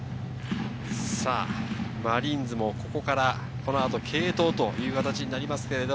マリーンズもここから継投という形になります。